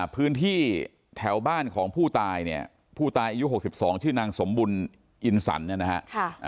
พื้นที่แถวบ้านของผู้ตายเนี่ยผู้ตายอายุ๖๒ชื่อนางสมบุญอินสันเนี่ยนะฮะ